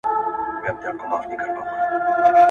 هم د سپيو هم سړيو غالمغال دئ